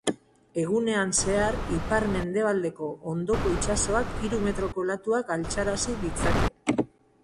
Egunean zehar ipar-mendebaldeko hondoko itsasoak hiru metroko olatuak altxarazi ditzake.